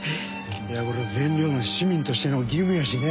いやこれ善良な市民としての義務やしね。